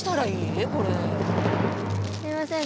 すいません